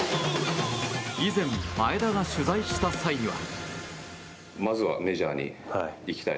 以前、前田が取材した際には。